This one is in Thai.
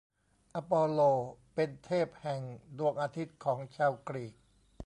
อปอลโล เป็นเทพแห่งดวงอาทิตย์ของชาวกรีก